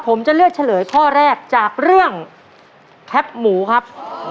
ผมจะเลือกเฉลยข้อแรกจากเรื่องแคปหมูครับ